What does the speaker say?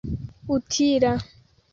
utila